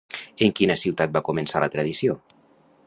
En quina ciutat va començar la tradició?